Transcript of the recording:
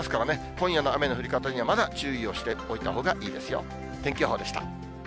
今夜の雨の降り方には、まだ注意をしておいたほうがいいですよ。